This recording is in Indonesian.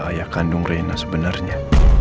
ayah kandung reina sebenarnya